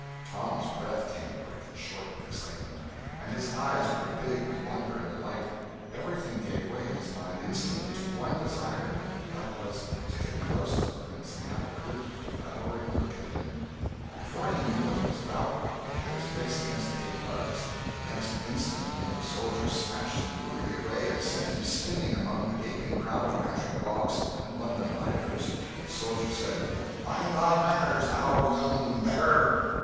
Tom's breath came quick and short with excitement, and his eyes grew big with wonder and delight. Everything gave way in his mind instantly to one desire: that was to get close to the prince, and have a good, devouring look at him. Before he knew what he was about, he had his face against the gate bars. The next instant one of the soldiers snatched him rudely away, and sent him spinning among the gaping crowd of country gawks and London idlers. The soldier said, "Mind thy manners, thou young beggar!"